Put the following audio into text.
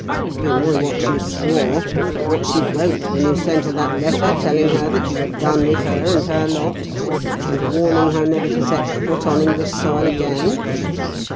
You know what she swore, what she wrote when you sent her that letter telling her that you were done with her and her lot, and warning her never to set foot on English soil again?